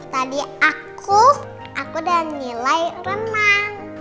tadi aku aku udah nilai renang